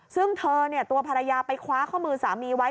ซึ่งเธอตัวภรรยาไปคว้าข้อมือสามีไว้